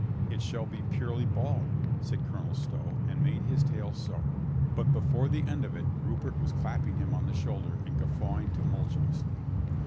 "It shall be purely bald," said Colonel Stow, and made his tale so. But before the end of it Rupert was clapping him on the shoulder and guffawing tumultuously.